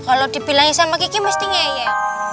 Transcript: kalau dibilangin sama kiki mesti ngeye